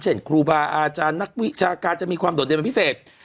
ครูบาอาจารย์นักวิชาการจะมีความโดดเด่นเป็นพิเศษ